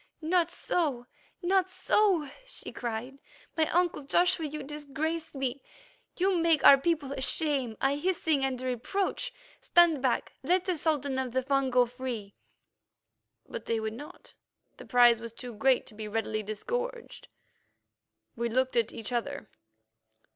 "Not so, not so," she cried. "My uncle Joshua, you disgrace me; you make our people a shame, a hissing, and a reproach. Stand back; let the Sultan of the Fung go free." But they would not; the prize was too great to be readily disgorged. We looked at each other.